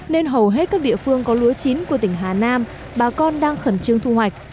nên hầu hết các địa phương có lúa chín của tỉnh hà nam bà con đang khẩn trương thu hoạch